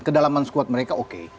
kedalaman squad mereka oke